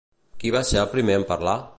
Qui va ser el primer en parlar?